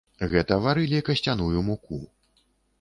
Гэта варылі касцяную муку.